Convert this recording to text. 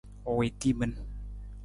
U wii timin.